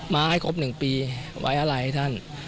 มาให้ครบ๑ปีไว้อะไรท่าน